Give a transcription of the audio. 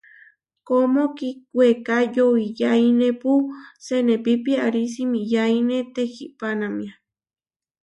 Kómo kiweká yoʼiyáinepu senépi piarí simiyáine tekihpánamia.